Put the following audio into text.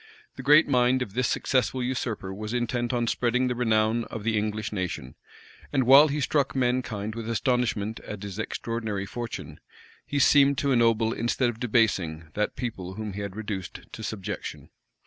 The great mind of this successful usurper was intent on spreading the renown of the English nation; and while he struck mankind with astonishment at his extraordinary fortune, he seemed to ennoble instead of debasing, that people whom he had reduced to subjection.